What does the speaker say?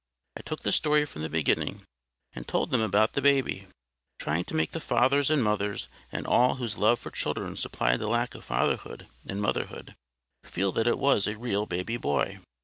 —I took the story from the beginning, and told them about the Baby; trying to make the fathers and mothers, and all whose love for children supplied the lack of fatherhood and motherhood, feel that it was a real baby boy.